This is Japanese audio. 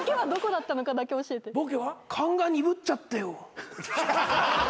勘が鈍っちゃったよ。